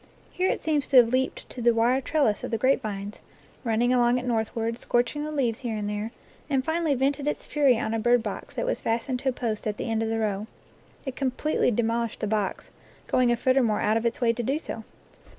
Here it seems to have leaped to the wire trellis of the grapevines, running along it northward, scorching the leaves here and there, and finally vented its fury on a bird box that was fastened to a post at the end of the row. It com pletely demolished the box, going a foot or more out of its way to do so.